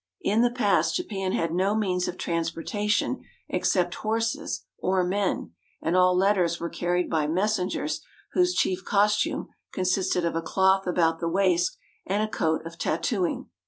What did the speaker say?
In the past Japan had no means of transportation except horses or men, and all letters were carried by messengers whose chief costume j^p^„^3^ p^^^^^^ 3t^^p3^ consisted of a cloth about the waist and a coat of tattooing.